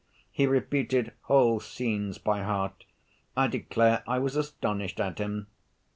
He repeated whole scenes by heart. I declare I was astonished at him.